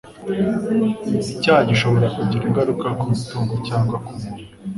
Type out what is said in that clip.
icyaha gishobora kugira ingaruka ku mutungo cyangwa ku muntu